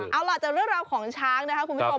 เอาล่ะจากเรื่องราวของช้างนะคะคุณผู้ชม